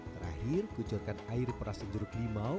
terakhir kucurkan air perasi jeruk limau